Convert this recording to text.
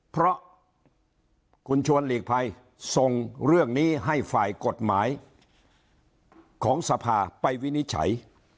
เพราะคุณชวนหลีกภัยส่งเรื่องนี้ให้ฝ่ายกฎหมายของสภาไปวินิจฉัย